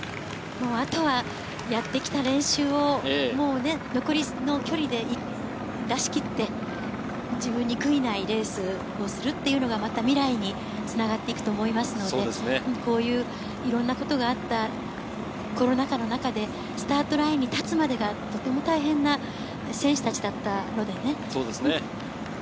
あとはやってきた練習を残りの距離で出し切って自分に悔いのないレースをするというのがまた未来につながっていくと思いますので、こういういろんなことがあった、コロナ禍の中でスタートラインに立つまでがとても大変な選手たちだったので。